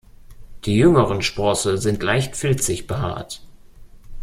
Die jüngeren Sprosse sind leicht filzig behaart.